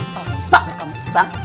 sumpah kamu bang